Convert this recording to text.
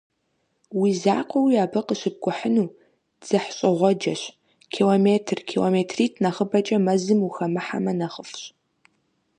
Уи закъуэуи абы къыщыпкӀухьыну дзыхьщӀыгъуэджэщ: километр, километритӀ нэхъыбэкӀэ мэзым ухэмыхьэмэ нэхъыфӀщ.